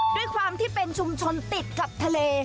ด้วยความที่เป็นชุมชนติดกับทะเล